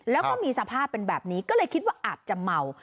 แล้วก็มีสภาพเป็นแบบนี้ก็เลยคิดว่าอาจจะเมา